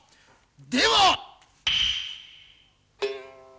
では！